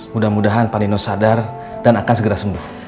mudah mudahan pak nino sadar dan akan segera sembuh